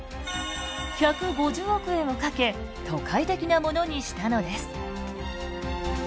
１５０億円をかけ都会的なものにしたのです。